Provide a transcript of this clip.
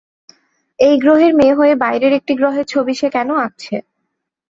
এই গ্রহের মেয়ে হয়ে বাইরের একটি গ্রহের ছবি সে কেন আঁকছে?